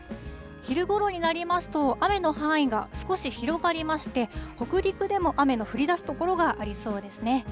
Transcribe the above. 昼ごろになりますと、雨の範囲が少し広がりまして、北陸でも雨の降りだす所がありそうですね。